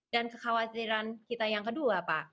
dan kekhawatiran kita yang kedua pak